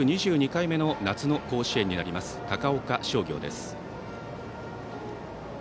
２２回目の夏の甲子園になります高岡商業です。